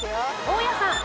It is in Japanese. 大家さん。